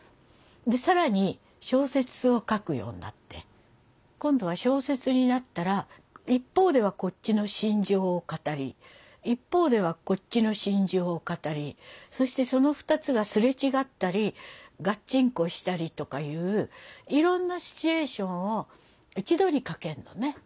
更に小説を書くようになって今度は小説になったら一方ではこっちの心情を語り一方ではこっちの心情を語りそしてその２つが擦れ違ったりがっちんこしたりとかいういろんなシチュエーションを一度に書けるのね。